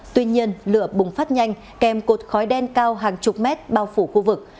tuy nhiên lửa bùng phát nhanh kèm cột khói đen cao hàng chục mét bao phủ khu vực